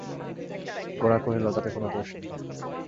গোরা কহিল, তাতে কোনো দোষ নেই।